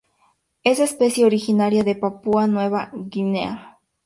Es especie originaria de Papúa Nueva Guinea.